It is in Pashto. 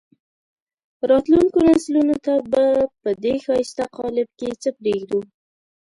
راتلونکو نسلونو ته به په دې ښایسته قالب کې څه پرېږدو.